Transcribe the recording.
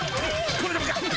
これでもか！